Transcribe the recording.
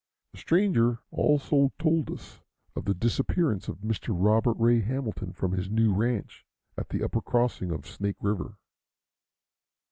The stranger also told us of the disappearance of Mr. Robert Ray Hamilton from his new ranch at the upper crossing of Snake River.